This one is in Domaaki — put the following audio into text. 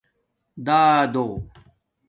دادݸ